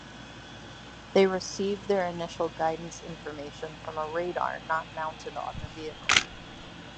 They receive their initial guidance information from a radar not mounted on the vehicle.